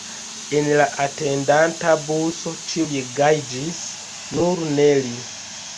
En la atendanta buso ĉiuj gajiĝis, nur ne li.